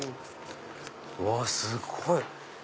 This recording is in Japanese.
うわすごい！